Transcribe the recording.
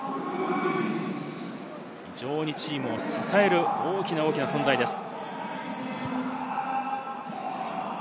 非常にチームを支える、大きな大きな存在です。